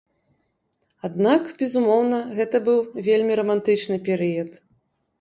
Аднак, безумоўна, гэта быў вельмі рамантычны перыяд.